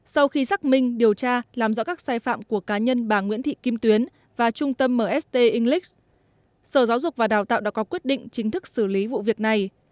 sau khi xác minh điều tra làm rõ các sai phạm của cá nhân bà nguyễn thị kim tuyến và trung tâm mst english sở giáo dục và đào tạo đã có quyết định chính thức xử lý vụ việc này